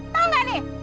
tau gak nih